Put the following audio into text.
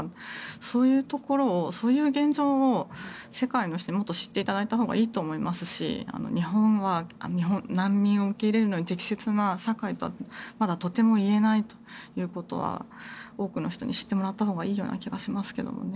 そういうところをそういう現状を世界の人にもっと知っていただいたほうがいいと思いますし日本は難民を受け入れるのに適切な社会とはまだとても言えないということは多くの人に知ってもらったほうがいいような気がしますけどね。